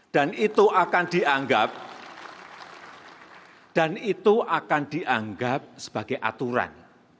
dan itu akan dianggap sebagai aturan